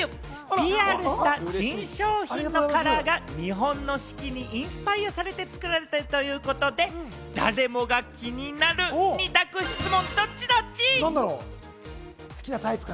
ＰＲした新商品のカラーが日本の四季にインスパイアされて作られているということで、誰もが気になる二択質問！